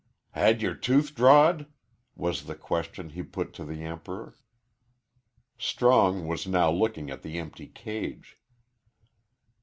"Had yer tooth drawed?" was the question he put to the Emperor. Strong was now looking at the empty cage.